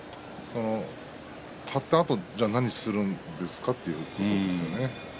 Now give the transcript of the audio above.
張ったあとに何をするんですかっていう感じですよね。